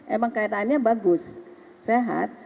emang kaitannya bagus sehat